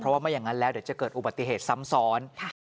ว่าไม่อย่างนั้นแล้วเดี๋ยวจะเกิดอุบัติเหตุซ้ำซ้อน